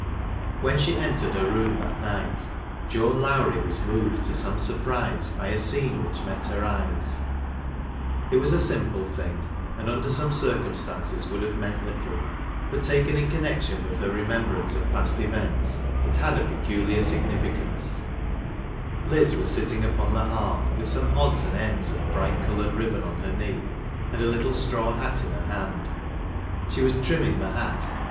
When she entered her room that night, Joan Lowrie was moved to some surprise by a scene which met her eyes, [t was a simple thing and under some eircumstance? would have meant little ; but taken in connection with her remembrance of past events, it had a peculiar significance, liz was sitting upon the hearth, with some odds and endp of bright colored ribbon on her knee, and a little straw hat in her hand. She was trimming the hat, and.